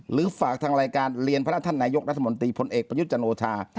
หรือฝากทางรายการเรียนพระจานนายกรัฐมนตรีพลเอกปยุจันโลชา